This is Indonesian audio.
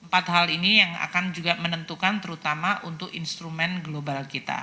empat hal ini yang akan juga menentukan terutama untuk instrumen global kita